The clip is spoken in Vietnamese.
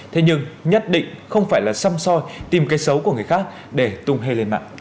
thế nhưng nhất định không phải là xăm soi tìm cây xấu của người khác để tung hệ lên mạng